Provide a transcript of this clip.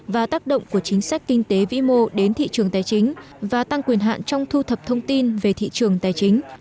và tác động của chính sách kinh tế vĩ mô đến thị trường tài chính và tăng quyền hạn trong thu thập thông tin về thị trường tài chính